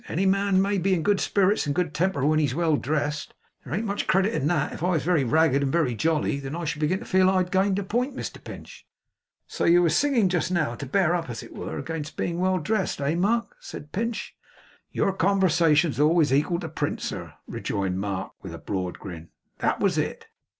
Any man may be in good spirits and good temper when he's well dressed. There an't much credit in that. If I was very ragged and very jolly, then I should begin to feel I had gained a point, Mr Pinch.' 'So you were singing just now, to bear up, as it were, against being well dressed, eh, Mark?' said Pinch. 'Your conversation's always equal to print, sir,' rejoined Mark, with a broad grin. 'That was it.